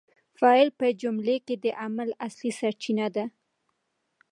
فاعل په جمله کي د عمل اصلي سرچینه ده.